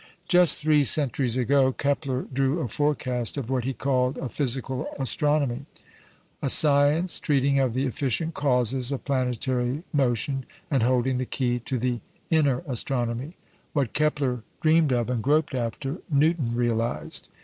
Just three centuries ago, Kepler drew a forecast of what he called a "physical astronomy" a science treating of the efficient causes of planetary motion, and holding the "key to the inner astronomy." What Kepler dreamed of and groped after, Newton realized.